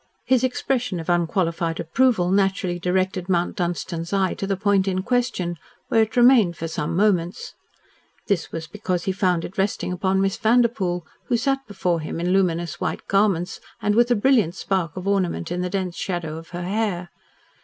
His expression of unqualified approval naturally directed Mount Dunstan's eye to the point in question, where it remained for some moments. This was because he found it resting upon Miss Vanderpoel, who sat before him in luminous white garments, and with a brilliant spark of ornament in the dense shadow of her hair.